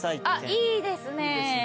いいですね。